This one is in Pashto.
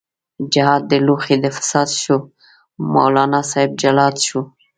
جهاد لوښۍ د فساد شو، مولانا صاحب جلاد شو